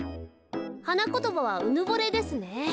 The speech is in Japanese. はなことばはうぬぼれですね。